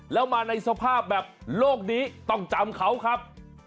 แล้วมาในสภาพแบบโลกนี้ต้องจำเขาครับ